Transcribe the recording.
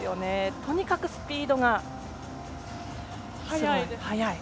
とにかくスピードが速い。